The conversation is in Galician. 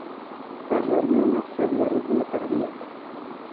Vas darme unha feble arritmia cardíaca.